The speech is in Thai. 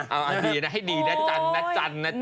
เอาอันดีนะให้ดีนะจัน